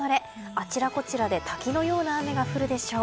あちらこちらで滝のような雨が降るでしょう。